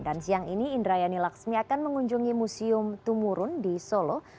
dan siang ini indrayani laksmi akan mengunjungi museum tumurun di solo